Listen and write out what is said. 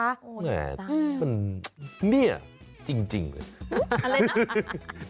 แหมมันเนี่ยจริงเลยอะไรนะ